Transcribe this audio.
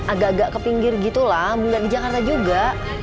agak agak ke pinggir gitulah mulai di jakarta juga